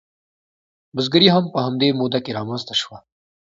بزګري هم په همدې موده کې رامنځته شوه.